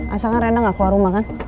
asalkan rena nggak keluar rumah kan